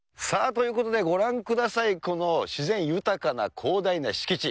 ということで、ご覧ください、この自然豊かな広大な敷地。